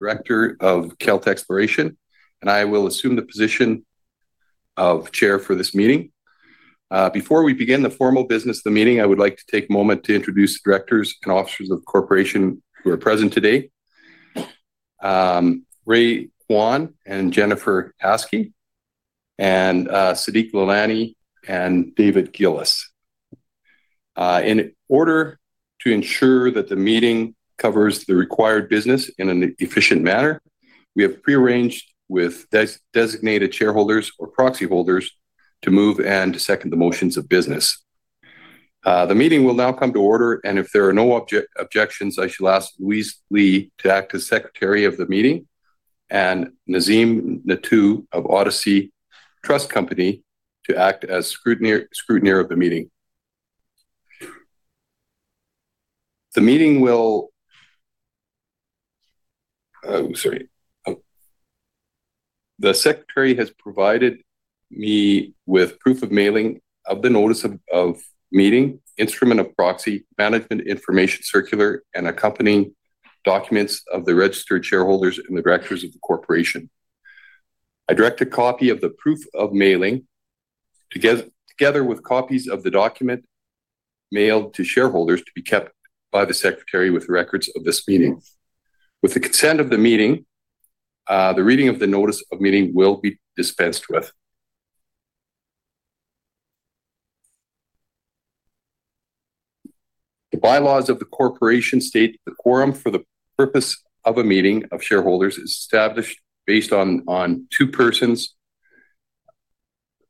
Director of Kelt Exploration, and I will assume the position of chair for this meeting. Before we begin the formal business of the meeting, I would like to take a moment to introduce the directors and officers of the corporation who are present today, Ray Kwan and Jennifer Haskey, and Sadiq Lalani and David Wilson. In order to ensure that the meeting covers the required business in an efficient manner, we have pre-arranged with designated shareholders or proxy holders to move and second the motions of business. The meeting will now come to order, and if there are no objections, I shall ask Louise Lee to act as secretary of the meeting and Nazim Nathoo of Odyssey Trust Company to act as scrutineer of the meeting. The secretary has provided me with proof of mailing of the notice of meeting, instrument of proxy, management information circular, and accompanying documents of the registered shareholders and the directors of the corporation. I direct a copy of the proof of mailing, together with copies of the document mailed to shareholders to be kept by the secretary with records of this meeting. With the consent of the meeting, the reading of the notice of meeting will be dispensed with. The bylaws of the corporation state the quorum for the purpose of a meeting of shareholders is established based on two persons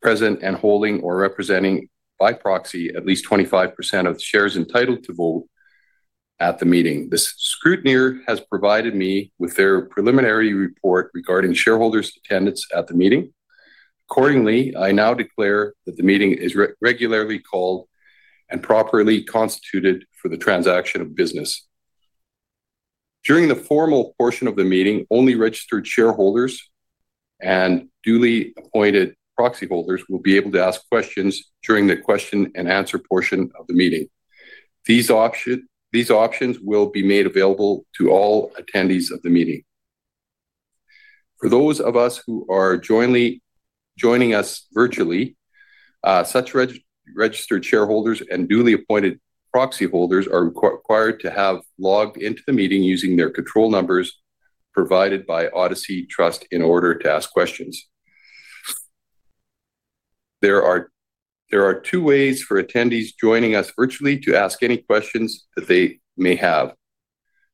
present and holding or representing by proxy at least 25% of the shares entitled to vote at the meeting. The scrutineer has provided me with their preliminary report regarding shareholders' attendance at the meeting. Accordingly, I now declare that the meeting is regularly called and properly constituted for the transaction of business. During the formal portion of the meeting, only registered shareholders and duly appointed proxy holders will be able to ask questions during the question and answer portion of the meeting. These options will be made available to all attendees of the meeting. For those of us who are joining us virtually, such registered shareholders and duly appointed proxy holders are required to have logged into the meeting using their control numbers provided by Odyssey Trust in order to ask questions. There are two ways for attendees joining us virtually to ask any questions that they may have.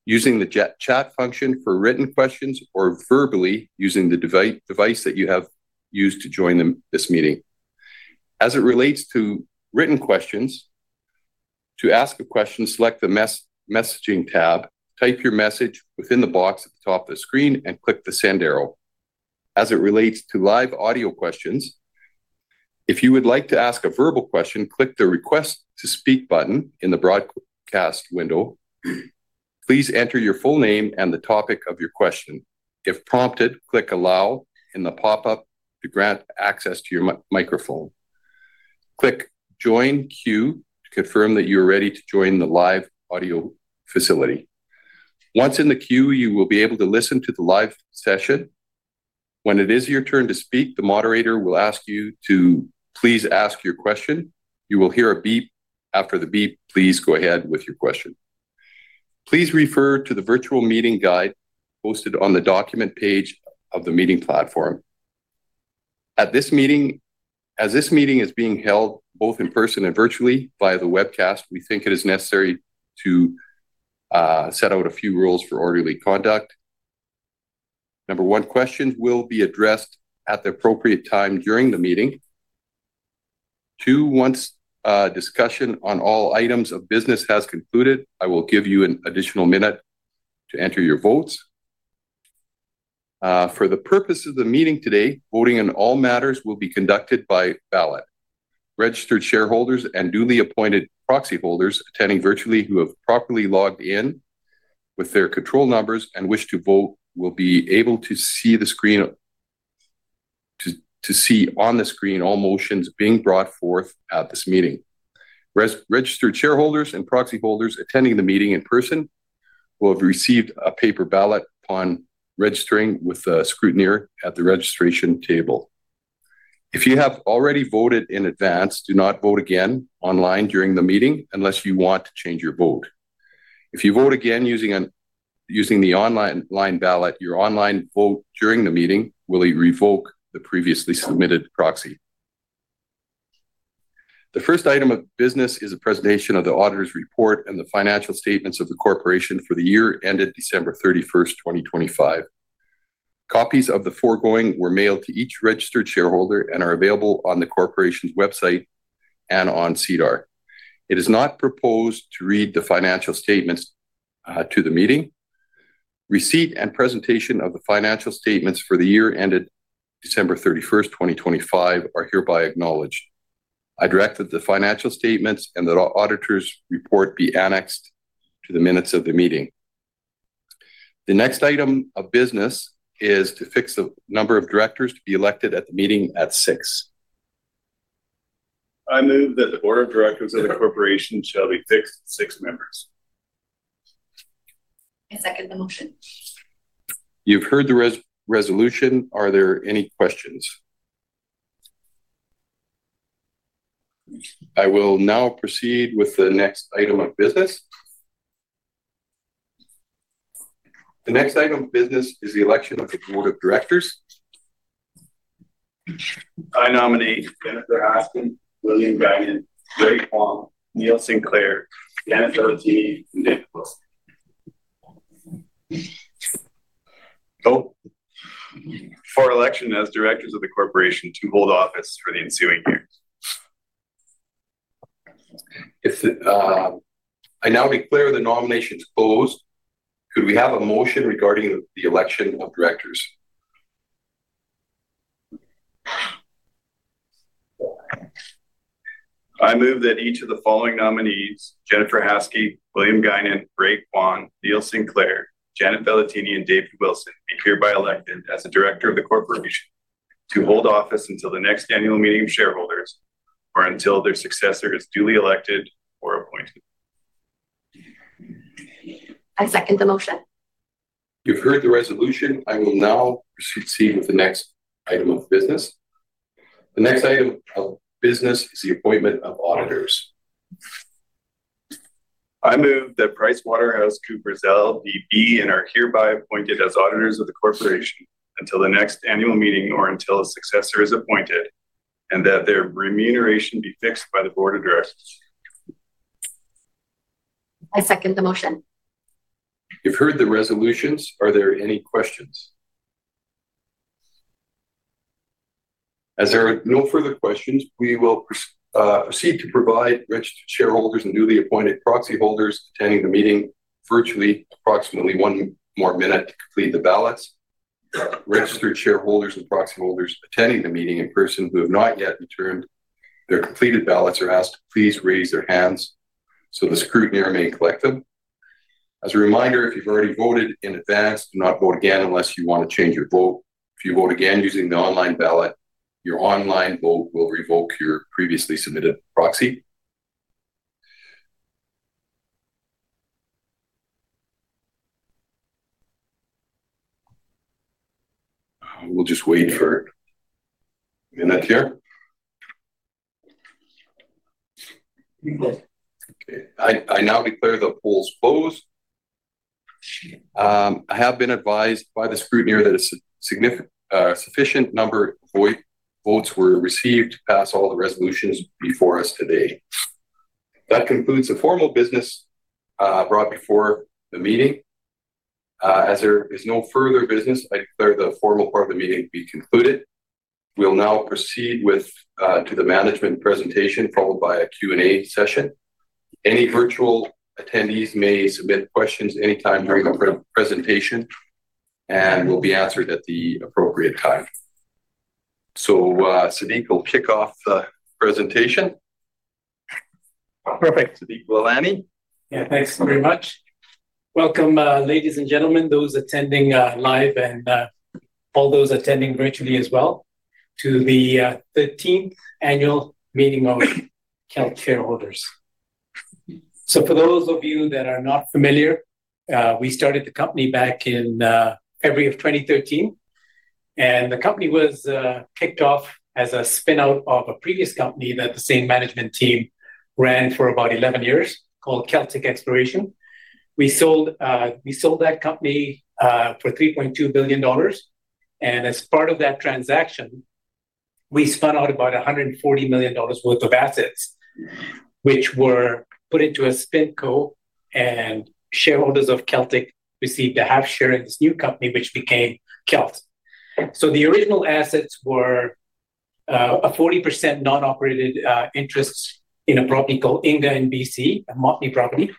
Using the chat function for written questions, or verbally, using the device that you have used to join this meeting. As it relates to written questions, to ask a question, select the messaging tab, type your message within the box at the top of the screen, and click the send arrow. As it relates to live audio questions, if you would like to ask a verbal question, click the Request to Speak button in the broadcast window. Please enter your full name and the topic of your question. If prompted, click Allow in the pop-up to grant access to your microphone. Click Join Queue to confirm that you are ready to join the live audio facility. Once in the queue, you will be able to listen to the live session. When it is your turn to speak, the moderator will ask you to please ask your question. You will hear a beep. After the beep, please go ahead with your question. Please refer to the virtual meeting guide posted on the document page of the meeting platform. As this meeting is being held both in person and virtually via the webcast, we think it is necessary to set out a few rules for orderly conduct. Number one, questions will be addressed at the appropriate time during the meeting. Two, once discussion on all items of business has concluded, I will give you an additional minute to enter your votes. For the purpose of the meeting today, voting on all matters will be conducted by ballot. Registered shareholders and newly appointed proxy holders attending virtually who have properly logged in with their control numbers and wish to vote, will be able to see on the screen all motions being brought forth at this meeting. Registered shareholders and proxy holders attending the meeting in person will have received a paper ballot upon registering with the scrutineer at the registration table. If you have already voted in advance, do not vote again online during the meeting unless you want to change your vote. If you vote again using the online ballot, your online vote during the meeting will revoke the previously submitted proxy. The first item of business is a presentation of the auditor's report and the financial statements of the corporation for the year ended December 31st, 2025. Copies of the foregoing were mailed to each registered shareholder and are available on the corporation's website and on SEDAR. It is not proposed to read the financial statements to the meeting. Receipt and presentation of the financial statements for the year ended December 31st, 2025, are hereby acknowledged. I direct that the financial statements and the auditor's report be annexed to the minutes of the meeting. The next item of business is to fix the number of directors to be elected at the meeting at six. I move that the Board of Directors of the Corporation shall be fixed at six members. I second the motion. You've heard the resolution. Are there any questions? I will now proceed with the next item of business. The next item of business is the election of the board of directors. I nominate Jennifer Haskey, William Guinan, Ray Kwan, Neil Sinclair, Janet Vellutini, and David Wilson. Oh. For election as directors of the corporation to hold office for the ensuing years. I now declare the nominations closed. Could we have a motion regarding the election of directors? I move that each of the following nominees, Jennifer Haskey, William Guinan, Ray Kwan, Neil Sinclair, Janet Vellutini, and David Wilson, be hereby elected as a director of the corporation to hold office until the next annual meeting of shareholders or until their successor is duly elected or appointed. I second the motion. You've heard the resolution. I will now proceed with the next item of business. The next item of business is the appointment of auditors. I move that PricewaterhouseCoopers LLP be and are hereby appointed as auditors of the corporation until the next annual meeting or until a successor is appointed, and that their remuneration be fixed by the board of directors. I second the motion. You've heard the resolutions. Are there any questions? As there are no further questions, we will proceed to provide registered shareholders and newly appointed proxy holders attending the meeting virtually approximately one more minute to complete the ballots. Registered shareholders and proxy holders attending the meeting in person who have not yet returned their completed ballots are asked to please raise their hands so the scrutineer may collect them. As a reminder, if you've already voted in advance, do not vote again unless you want to change your vote. If you vote again using the online ballot, your online vote will revoke your previously submitted proxy. We'll just wait for a minute here. Okay, I now declare the polls closed. I have been advised by the scrutineer that a sufficient number of votes were received to pass all the resolutions before us today. That concludes the formal business brought before the meeting. As there is no further business, I declare the formal part of the meeting to be concluded. We'll now proceed to the management presentation, followed by a Q&A session. Any virtual attendees may submit questions any time during the presentation and will be answered at the appropriate time. Sadiq will kick off the presentation. Perfect. Sadiq Lalani. Yeah. Thanks very much. Welcome, ladies and gentlemen, those attending live and all those attending virtually as well, to the 13th annual meeting of Kelt shareholders. For those of you that are not familiar, we started the company back in February of 2013, and the company was kicked off as a spin-out of a previous company that the same management team ran for about 11 years called Celtic Exploration. We sold that company for 3.2 billion dollars, and as part of that transaction, we spun out about 140 million dollars worth of assets, which were put into a spin co, and shareholders of Celtic received a half share in this new company, which became Kelt. The original assets were a 40% non-operated interest in a property called Inga in BC, a Montney property.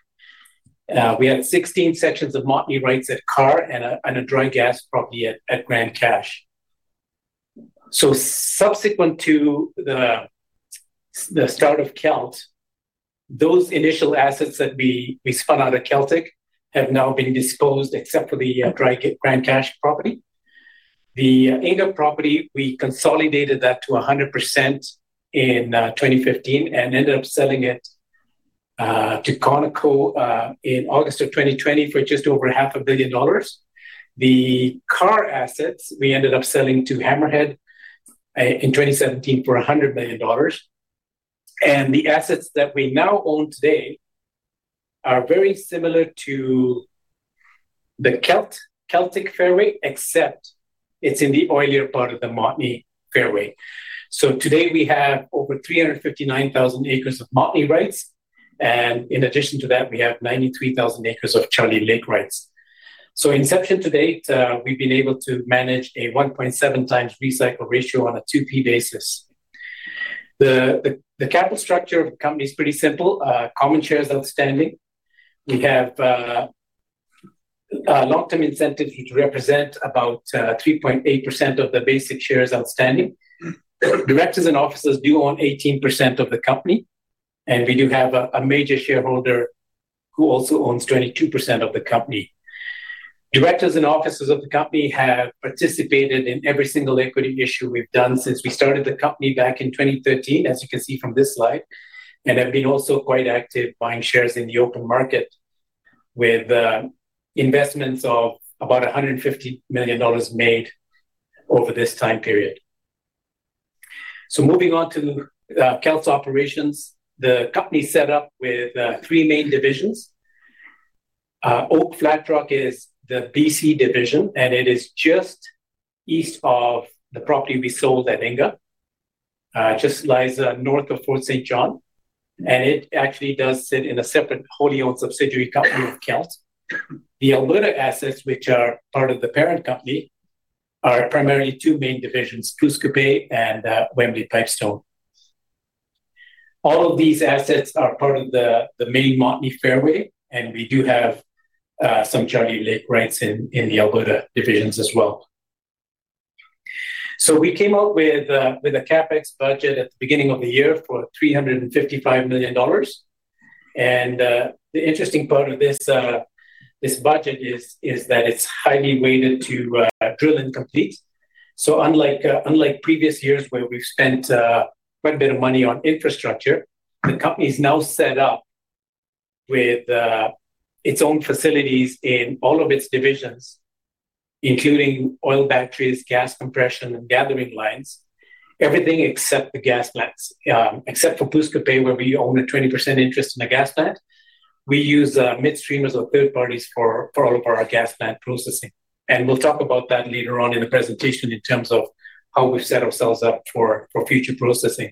We had 16 sections of Montney rights at Karr and a dry gas property at Grande Cache. Subsequent to the start of Kelt, those initial assets that we spun out of Celtic have now been disposed, except for the Grand Cache property. The Inga property, we consolidated that to 100% in 2015 and ended up selling it to Conoco in August 2020 for 0.5 billion dollars. The Karr assets we ended up selling to Hammerhead in 2017 for 100 million dollars. The assets that we now own today are very similar to the Celtic fairway, except it's in the oilier part of the Montney fairway. Today, we have over 359,000 acres of Montney rights, and in addition to that, we have 93,000 acres of Charlie Lake rights. Inception to date, we've been able to manage a 1.7x recycle ratio on a 2P basis. The capital structure of the company is pretty simple. Common shares outstanding. We have long-term incentive, which represent about 3.8% of the basic shares outstanding. Directors and officers do own 18% of the company, and we do have a major shareholder who also owns 22% of the company. Directors and officers of the company have participated in every single equity issue we've done since we started the company back in 2013, as you can see from this slide, and have been also quite active buying shares in the open market with investments of about 150 million dollars made over this time period. Moving on to Kelt's operations, the company set up with three main divisions. Oak/Flatrock is the B.C. division, and it is just east of the property we sold at Inga. It just lies north of Fort St. John, and it actually does sit in a separate wholly owned subsidiary company of Kelt. The Alberta assets, which are part of the parent company, are primarily two main divisions, Pouce Coupe and Wembley/Pipestone. All of these assets are part of the main Montney Fairway, and we do have some Charlie Lake rights in the Alberta divisions as well. We came out with a CapEx budget at the beginning of the year for 355 million dollars. The interesting part of this budget is that it's highly weighted to drill and complete. Unlike previous years where we've spent quite a bit of money on infrastructure, the company is now set up with its own facilities in all of its divisions, including oil batteries, gas compression, and gathering lines. Everything except the gas plants. Except for Pouce Coupe, where we own a 20% interest in a gas plant. We use midstreamers or third parties for all of our gas plant processing. We'll talk about that later on in the presentation in terms of how we've set ourselves up for future processing.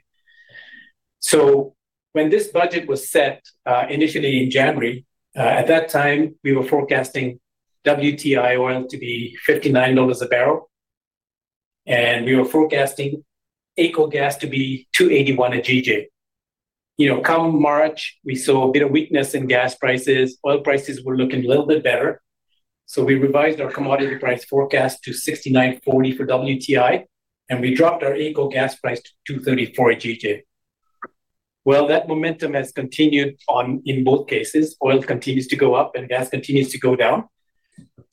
When this budget was set, initially in January, at that time, we were forecasting WTI oil to be $59 a barrel, and we were forecasting AECO gas to be 2.81 a GJ. Come March, we saw a bit of weakness in gas prices. Oil prices were looking a little bit better. We revised our commodity price forecast to $69.40 for WTI, and we dropped our AECO gas price to 2.34 a GJ. Well, that momentum has continued on in both cases. Oil continues to go up and gas continues to go down.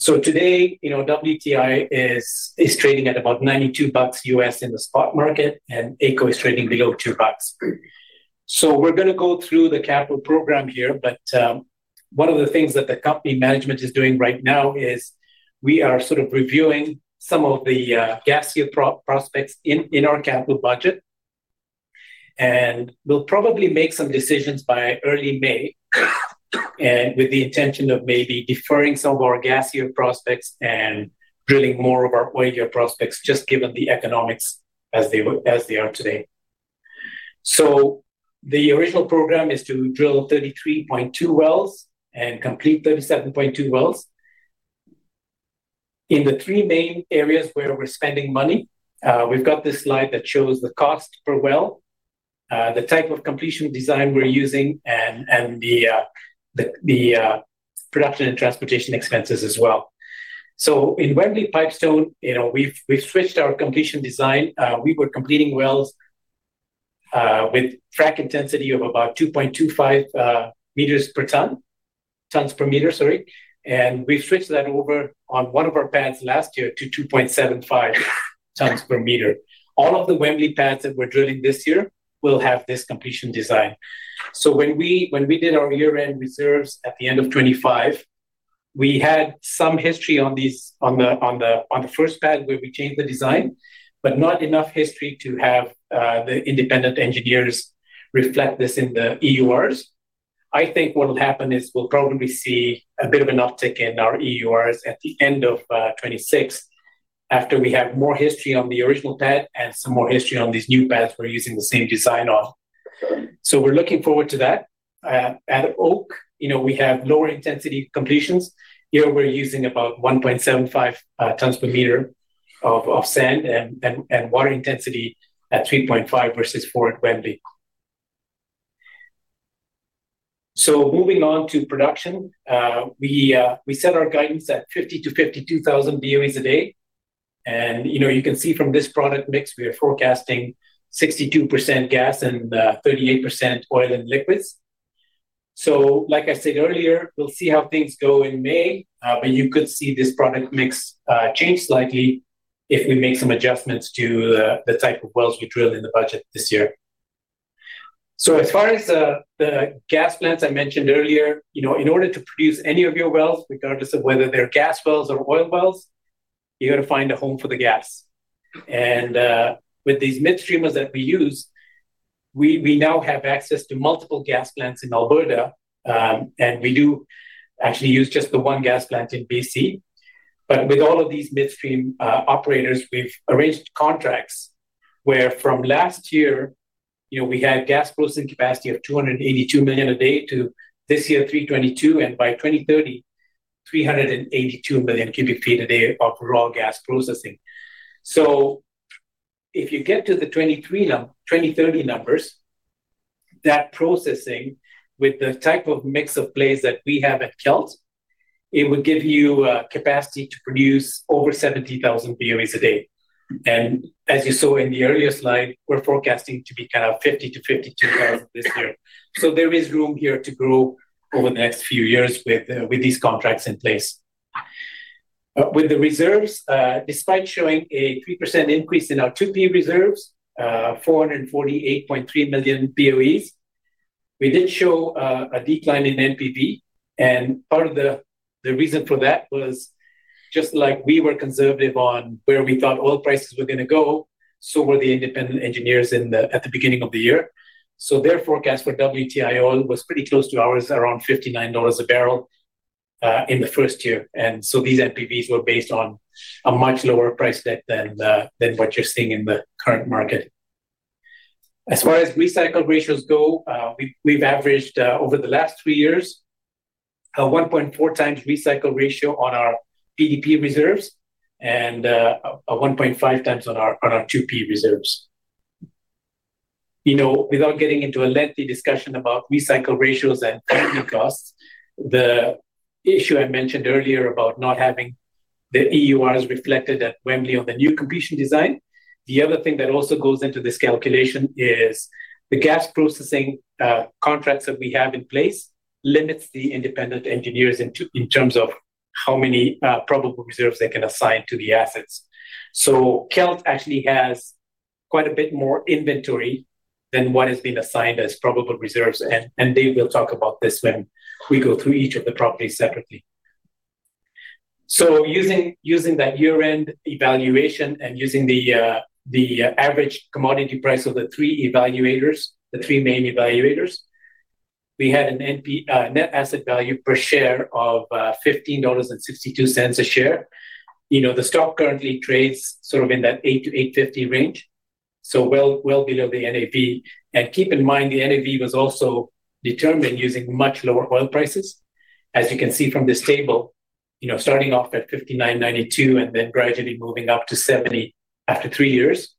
Today, WTI is trading at about $92 U.S. in the spot market, and AECO is trading below 2 bucks. We're going to go through the capital program here, but one of the things that the company management is doing right now is we are sort of reviewing some of the gassier prospects in our capital budget. We'll probably make some decisions by early May, and with the intention of maybe deferring some of our gassier prospects and drilling more of our oilier prospects, just given the economics as they are today. The original program is to drill 33.2 wells and complete 37.2 wells. In the three main areas where we're spending money, we've got this slide that shows the cost per well, the type of completion design we're using, and the production and transportation expenses as well. In Wembley/Pipestone, we've switched our completion design. We were completing wells with frack intensity of about 2.25 tons per meter. Tons per meter, sorry. We switched that over on one of our pads last year to 2.75 tons per meter. All of the Wembley pads that we're drilling this year will have this completion design. When we did our year-end reserves at the end of 2025, we had some history on the first pad where we changed the design, but not enough history to have the independent engineers reflect this in the EURs. I think what will happen is we'll probably see a bit of an uptick in our EURs at the end of 2026, after we have more history on the original pad and some more history on these new pads we're using the same design on. We're looking forward to that. At Oak, we have lower intensity completions. Here we're using about 1.75 tons per meter of sand and water intensity at 3.5 versus four at Wembley. Moving on to production. We set our guidance at 50,000-52,000 BOEs a day. You can see from this product mix, we are forecasting 62% gas and 38% oil and liquids. Like I said earlier, we'll see how things go in May, but you could see this product mix change slightly if we make some adjustments to the type of wells we drill in the budget this year. As far as the gas plants I mentioned earlier, in order to produce any of your wells, regardless of whether they're gas wells or oil wells, you got to find a home for the gas. With these midstreamers that we use, we now have access to multiple gas plants in Alberta, and we do actually use just the one gas plant in BC. With all of these midstream operators, we've arranged contracts where from last year, we had gas processing capacity of 282 million a day to this year, 322, and by 2030, 382 million cubic feet a day of raw gas processing. If you get to the 2030 numbers, that processing with the type of mix of plays that we have at Kelt, it would give you capacity to produce over 70,000 BOE a day. As you saw in the earlier slide, we're forecasting to be kind of 50,000-52,000 this year. There is room here to grow over the next few years with these contracts in place. With the reserves, despite showing a 3% increase in our 2P reserves, 448.3 million BOE, we did show a decline in NPV. Part of the reason for that was just like we were conservative on where we thought oil prices were going to go, so were the independent engineers at the beginning of the year. Their forecast for WTI oil was pretty close to ours, around $59 a barrel in the first year. These NPVs were based on a much lower price deck than what you're seeing in the current market. As far as recycle ratios go, we've averaged, over the last three years, a 1.4x recycle ratio on our PDP reserves and a 1.5x on our 2P reserves. Without getting into a lengthy discussion about recycle ratios and costs, the issue I mentioned earlier about not having the EURs reflected at Wembley on the new completion design. The other thing that also goes into this calculation is the gas processing contracts that we have in place limits the independent engineers in terms of how many probable reserves they can assign to the assets. Kelt actually has quite a bit more inventory than what has been assigned as probable reserves, and Dave will talk about this when we go through each of the properties separately. Using that year-end evaluation and using the average commodity price of the three evaluators, the three main evaluators, we had a net asset value per share of 15.62 dollars a share. The stock currently trades sort of in that 8-8.50 range, so well below the NAV. Keep in mind, the NAV was also determined using much lower oil prices. As you can see from this table, starting off at 59.92 and then gradually moving up to 70 after three years.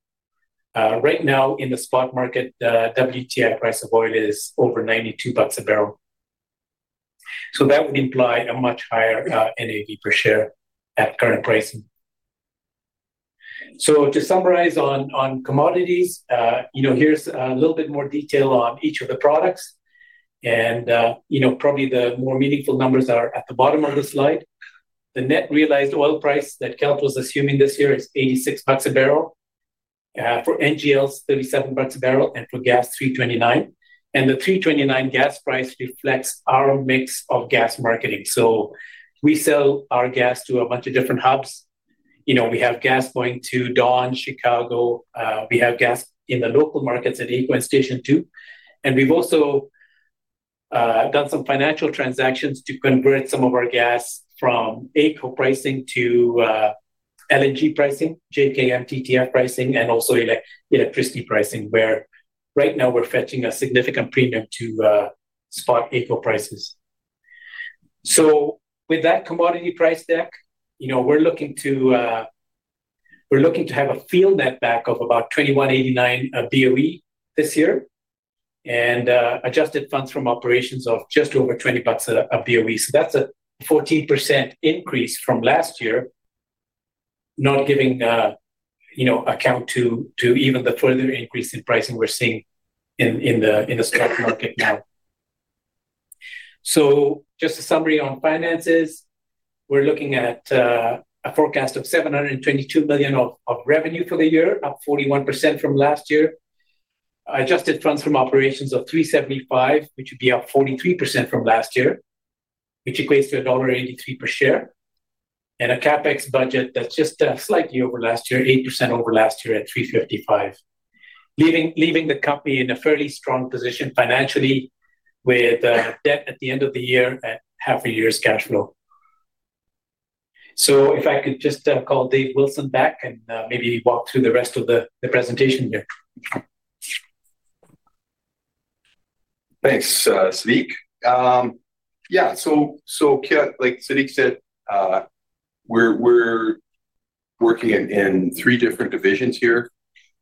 Right now, in the spot market, WTI price of oil is over 92 bucks a barrel. That would imply a much higher NAV per share at current pricing. To summarize on commodities, here's a little bit more detail on each of the products. Probably the more meaningful numbers are at the bottom of the slide. The net realized oil price that Kelt was assuming this year is 86 bucks a barrel. For NGLs, 37 bucks a barrel, and for gas, 3.29. The 3.29 gas price reflects our mix of gas marketing. We sell our gas to a bunch of different hubs. We have gas going to Dawn, Chicago. We have gas in the local markets at AECO Station 2. We've also done some financial transactions to convert some of our gas from AECO pricing to LNG pricing, JKM TTF pricing, and also electricity pricing, where right now we're fetching a significant premium to spot AECO prices. With that commodity price deck, we're looking to have a field netback of about 21.89/BOE this year and adjusted funds from operations of just over 20 bucks/BOE. That's a 14% increase from last year, not taking into account even the further increase in pricing we're seeing in the spot market now. Just a summary on finances. We're looking at a forecast of 722 million of revenue for the year, up 41% from last year. Adjusted funds from operations of 375 million, which would be up 43% from last year, which equates to dollar 1.83 per share. A CapEx budget that's just slightly over last year, 8% over last year at 355 million. Leaving the company in a fairly strong position financially with debt at the end of the year at half a year's cash flow. If I could just call Dave Wilson back and maybe walk through the rest of the presentation here. Thanks, Sadiq. Yeah. Like Sadiq said, we're working in three different divisions here.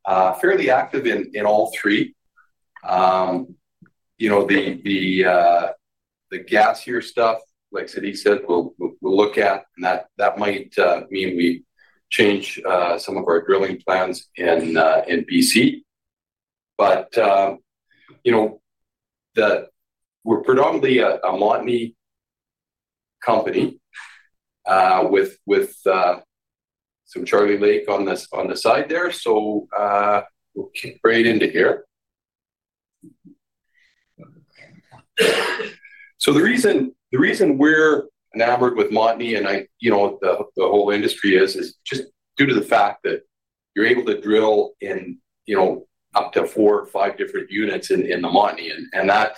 Fairly active in all three. The gassier stuff, like Sadiq said, we'll look at, and that might mean we change some of our drilling plans in BC. We're predominantly a Montney company with some Charlie Lake on the side there. We'll kick right into here. The reason we're enamored with Montney and the whole industry is just due to the fact that you're able to drill in up to four or five different units in the Montney, and that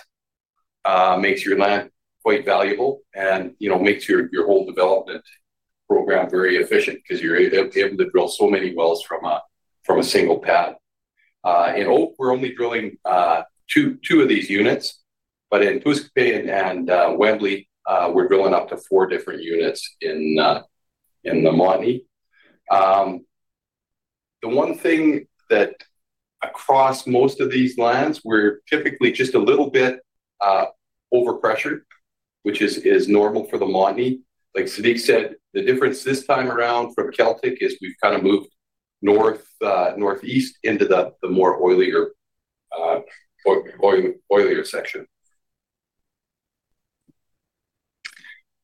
makes your land quite valuable and makes your whole development program very efficient because you're able to drill so many wells from a single pad. In Oak, we're only drilling two of these units, but in Pouce Coupe and Wembley, we're drilling up to four different units in the Montney. The one thing that across most of these lands, we're typically just a little bit over-pressured, which is normal for the Montney. Like Sadiq said, the difference this time around from Celtic is we've kind of moved north, northeast into the more oilier section.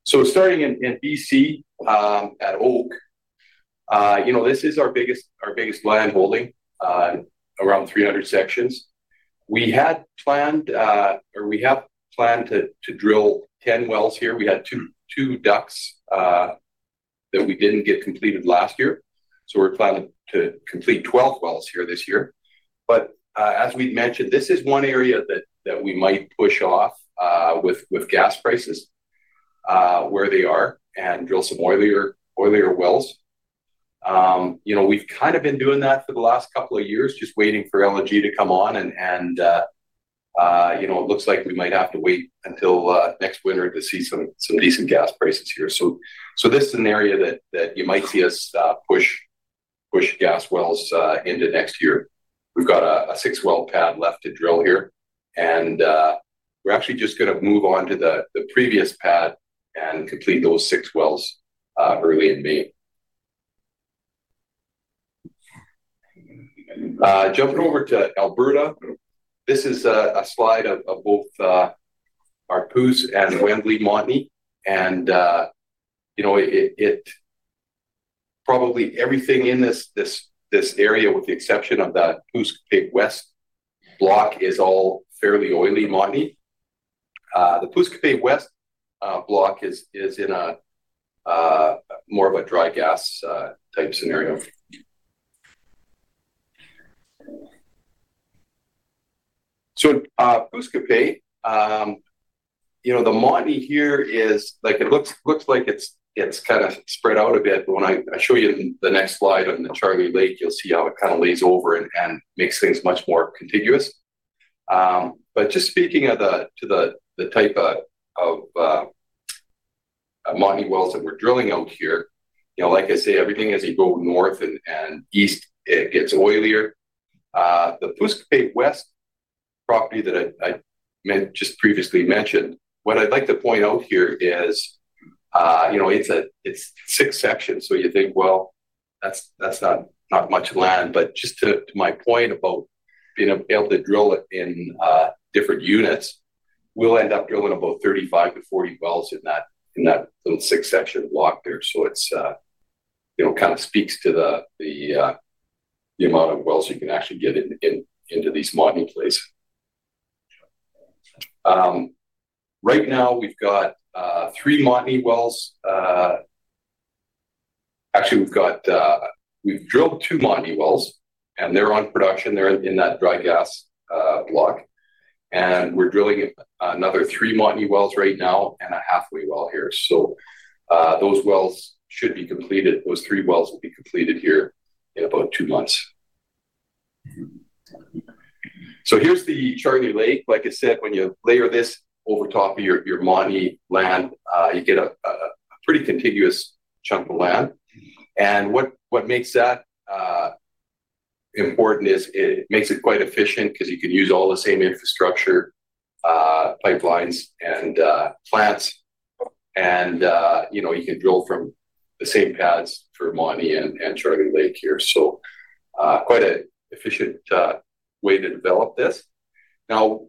Starting in BC, at Oak, this is our biggest land holding, around 300 sections. We have planned to drill 10 wells here. We had two DUCs that we didn't get completed last year, so we're planning to complete 12 wells here this year. As we've mentioned, this is one area that we might push off with gas prices where they are and drill some oilier wells. We've kind of been doing that for the last couple of years, just waiting for LNG to come on and it looks like we might have to wait until next winter to see some decent gas prices here. This is an area that you might see us push gas wells into next year. We've got a six-well pad left to drill here, and we're actually just going to move on to the previous pad and complete those six wells early in May. Jumping over to Alberta. This is a slide of both our Pouce Coupe and Wembley Montney, and probably everything in this area, with the exception of the Pouce Coupe West block, is all fairly oily Montney. The Pouce Coupe West block is in more of a dry gas type scenario. At Pouce Coupe, the Montney here, it looks like it's kind of spread out a bit, but when I show you in the next slide on the Charlie Lake, you'll see how it kind of lays over and makes things much more contiguous. Just speaking to the type of Montney wells that we're drilling out here, like I say, everything as you go north and east, it gets oilier. The Pouce Coupe West property that I just previously mentioned, what I'd like to point out here is, it's six sections, so you think, well, that's not much land. Just to my point about being able to drill it in different units, we'll end up drilling about 35-40 wells in that little six-section block there. It kind of speaks to the amount of wells you can actually get into these Montney plays. Right now, we've got three Montney wells. Actually, we've drilled two Montney wells, and they're on production. They're in that dry gas block. We're drilling another three Montney wells right now and a halfway well here. Those wells should be completed. Those three wells will be completed here in about two months. Here's the Charlie Lake. Like I said, when you layer this over top of your Montney land, you get a pretty contiguous chunk of land. What makes that important is it makes it quite efficient because you can use all the same infrastructure, pipelines, and plants and, you can drill from the same pads for Montney and Charlie Lake here. Quite an efficient way to develop this. Now,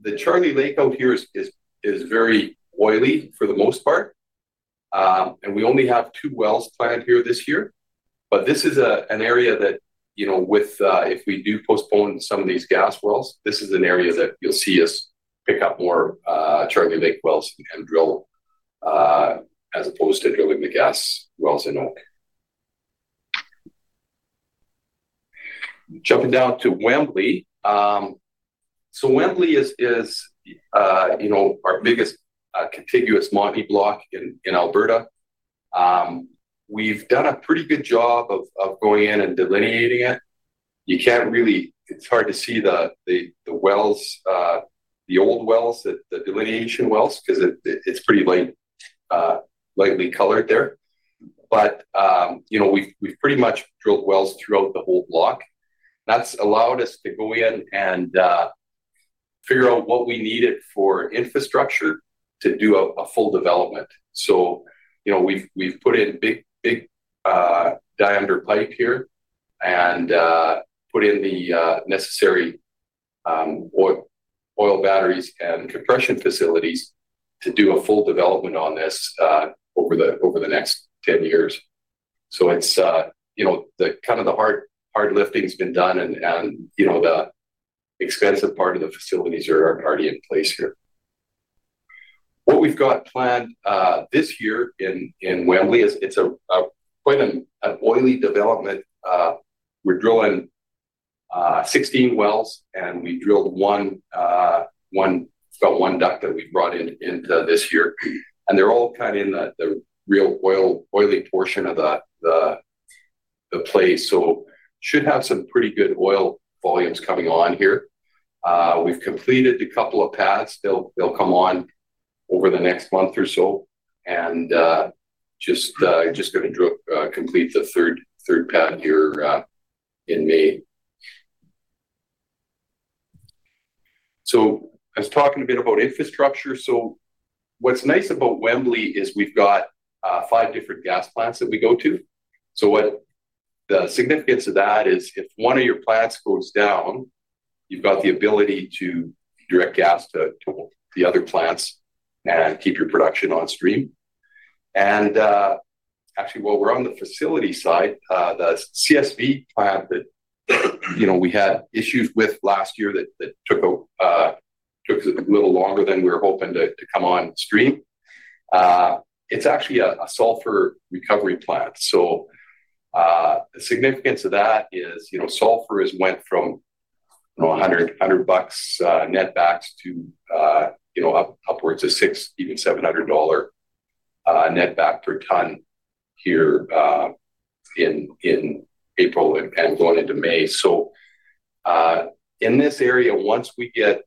the Charlie Lake out here is very oily for the most part. We only have two wells planned here this year. This is an area that, if we do postpone some of these gas wells, this is an area that you'll see us pick up more Charlie Lake wells and drill, as opposed to drilling the gas wells in Oak. Jumping down to Wembley. Wembley is our biggest contiguous Montney block in Alberta. We've done a pretty good job of going in and delineating it. It's hard to see the old wells, the delineation wells, because it's pretty lightly colored there. We've pretty much drilled wells throughout the whole block. That's allowed us to go in and figure out what we needed for infrastructure to do a full development. We've put in big diameter pipe here and put in the necessary oil batteries and compression facilities to do a full development on this over the next 10 years. The heavy lifting's been done and the expensive part of the facilities are already in place here. What we've got planned this year in Wembley is, it's quite an oily development. We're drilling 16 wells, and we drilled one DUC that we brought into this year. They're all kind of in the real oily portion of the play, so should have some pretty good oil volumes coming on here. We've completed a couple of pads. They'll come on over the next month or so, and just going to complete the third pad here in May. I was talking a bit about infrastructure. What's nice about Wembley is we've got five different gas plants that we go to. What the significance of that is, if one of your plants goes down, you've got the ability to direct gas to the other plants and keep your production on stream. Actually, while we're on the facility side, the CSV plant that we had issues with last year that took a little longer than we were hoping to come on stream. It's actually a sulfur recovery plant. The significance of that is sulfur has went from 100 bucks netback to upwards of 600, even 700 dollar netback per ton here in April and going into May. In this area, once we get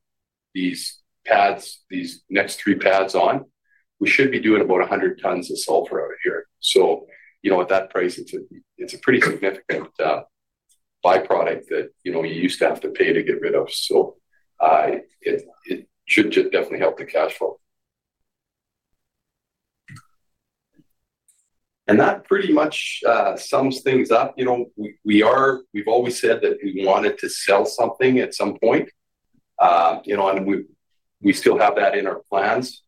these next three pads on, we should be doing about 100 tons of sulfur out here. At that price, it's a pretty significant byproduct that you used to have to pay to get rid of. It should definitely help the cash flow. That pretty much sums things up. We've always said that we wanted to sell something at some point. We still have that in our plans.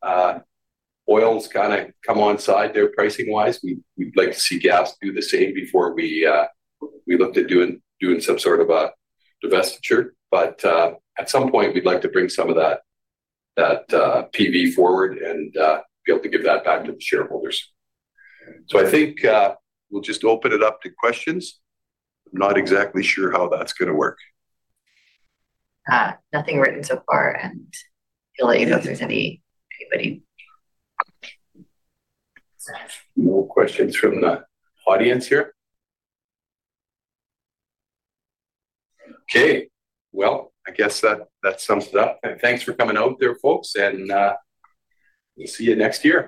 Oil's kind of come onside there, pricing-wise. We'd like to see gas do the same before we looked at doing some sort of a divestiture. At some point, we'd like to bring some of that PV forward and be able to give that back to the shareholders. I think we'll just open it up to questions. I'm not exactly sure how that's going to work. Nothing written so far, and I'll let you know if there's anybody. No questions from the audience here. Okay, well, I guess that sums it up. Thanks for coming out there, folks, and we'll see you next year.